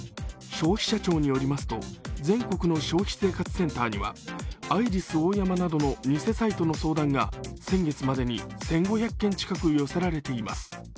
消費者庁によりますと、全国の消費生活センターにはアイリスオーヤマなどの偽サイトの相談が先月までに１５００件近く寄せられています。